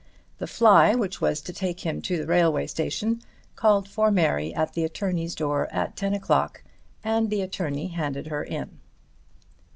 The fly which was to take him to the railway station called for Mary at the attorney's door at ten o'clock, and the attorney handed her in.